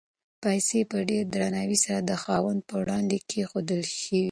پیسې په ډېر درناوي سره د خاوند په وړاندې کېښودل شوې.